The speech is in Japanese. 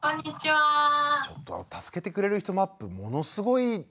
ちょっと「助けてくれる人マップ」ものすごい感動しました僕。